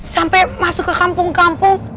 sampai masuk ke kampung kampung